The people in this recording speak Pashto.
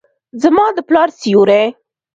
زما د پلار سیوري ،